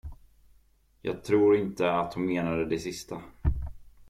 Jag tror inte att hon menade det sista.